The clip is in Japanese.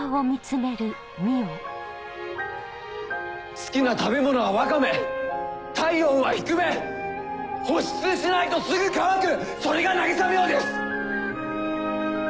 好きな食べ物はワカメ体温は低め保湿しないとすぐ乾くそれが渚海